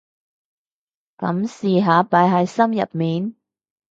噉試下擺喺心入面